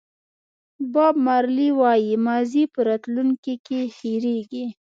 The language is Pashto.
باب مارلې وایي ماضي په راتلونکي کې هېرېږي.